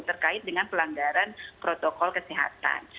terkait dengan pelanggaran protokol kesehatan